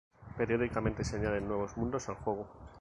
Periódicamente se añaden nuevos mundos al juego.